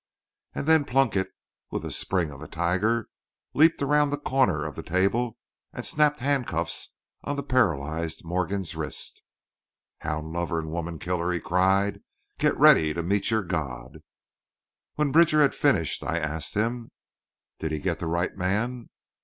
And then Plunkett with the spring of a tiger, leaped around the corner of the table and snapped handcuffs on the paralyzed Morgan's wrists. "Hound lover and woman killer!" he cried; "get ready to meet your God." When Bridger had finished I asked him: "Did he get the right man?"